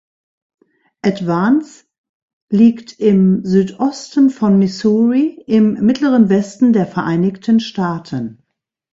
Advance liegt im Südosten von Missouri im Mittleren Westen der Vereinigten Staaten.